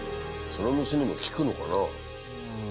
その虫にも効くのかな？